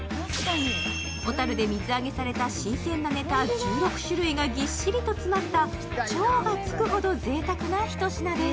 小樽で水揚げされた新鮮なネタ１６種類がぎっしり詰まった超がつくほどぜいたくな一品です。